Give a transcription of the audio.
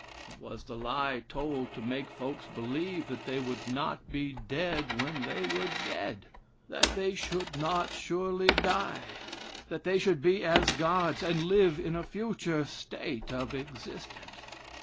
It was the lie told to make folks believe that they would not be dead when they were dead, that they should not surely die, but that they should be as gods, and live in a future state of existence.